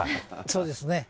そうですね。